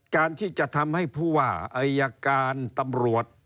การที่จะทำให้ผู้ว่าอายการตำรวจ